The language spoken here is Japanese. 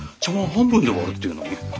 半分で終わるっていうのに。